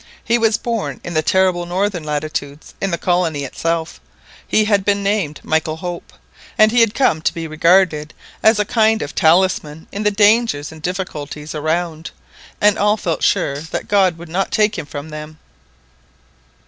He was born in the terrible northern latitudes, in the colony itself, he had been named Michael Hope, and he had come to be regarded as a kind of talisman in the dangers and difficulties around, and all felt sure that God would not take him from them.